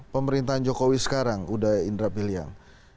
pemerintahan jokowi sekarang udaya indra biliang